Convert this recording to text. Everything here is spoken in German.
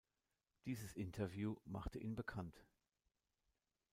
Dieses Interview machte ihn bekannt.